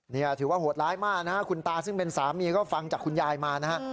นี่ถือว่าโหดร้ายมากนะฮะคุณตาซึ่งเป็นสามีก็ฟังจากคุณยายมานะฮะ